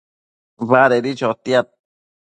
Badedi chotiad